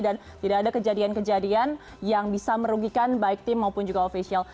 dan tidak ada kejadian kejadian yang bisa merugikan baik tim maupun juga ofisial